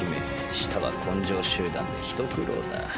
下は根性集団でひと苦労だ。